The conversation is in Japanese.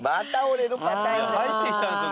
入ってきたんすよ